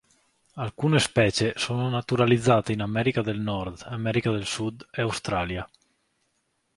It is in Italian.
Alcune specie sono naturalizzate in America del Nord, America del Sud e Australia.